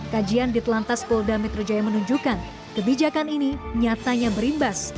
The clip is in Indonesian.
kajian di telantas polda metro jaya menunjukkan kebijakan ini nyatanya berimbas